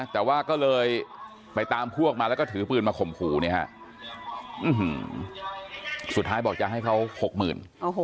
แต่ว่าก็เลยไปตามพวกมาแล้วก็ถือปืนมาข่มขู่เนี่ยฮะสุดท้ายบอกจะให้เขาหกหมื่น